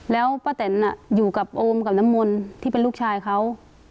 แล้วป้าแตนอยู่กับโอมกับน้ำมนต์ที่เป็นลูกชายเขา